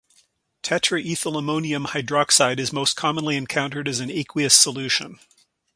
Tetraethylammonium hydroxide is most commonly encountered as an aqueous solution.